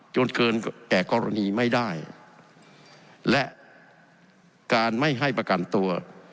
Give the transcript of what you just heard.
จนเกินแก่กรณีไม่ได้และการไม่ให้ประกันตัว